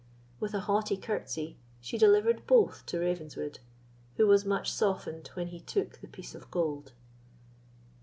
With a haughty courtesy, she delivered both to Ravenswood, who was much softened when he took the piece of gold.